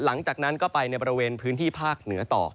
หลังจากนั้นก็ไปในบริเวณพื้นที่ภาคเหนือต่อ